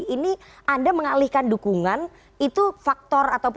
ini anda mengalihkan dukungan itu faktor ataupun restuvanya apa